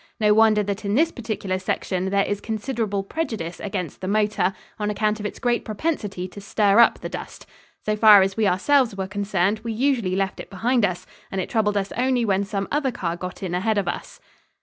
No wonder that in this particular section there is considerable prejudice against the motor on account of its great propensity to stir up the dust. So far as we ourselves were concerned, we usually left it behind us, and it troubled us only when some other car got in ahead of us.